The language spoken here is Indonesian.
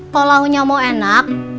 kalau lahunya mau enak